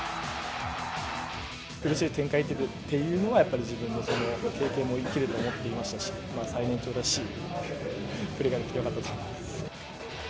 苦しい展開というのは、やっぱり自分の経験が生きると思っていましたし、最年長らしいプレーができてよかったと思います。